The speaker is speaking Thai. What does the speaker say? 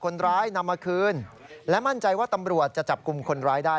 และมั่นใจว่าตำรวจจะจะกุมคนร้ายได้